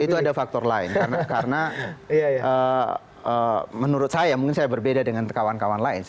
itu ada faktor lain karena menurut saya mungkin saya berbeda dengan kawan kawan lain